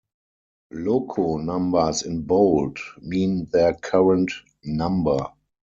Loco numbers in bold mean their current number.